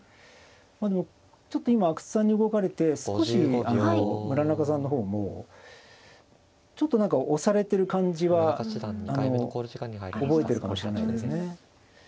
まあでもちょっと今阿久津さんに動かれて少し村中さんの方もちょっと何か押されてる感じは覚えてるかもしれないですね。